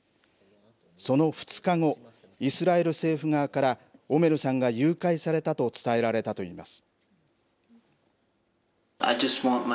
その２日後、イスラエル政府側から、オメルさんが誘拐されたと伝えられたといいます。